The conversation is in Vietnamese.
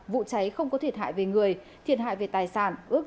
vụ cháy không có thiệt hại về người thiệt hại về tài sản ước tính khoảng hai mươi triệu đồng